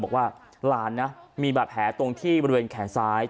บอกว่าหลานนะมีบาดแผลตรงที่บริเวณแขนซ้าย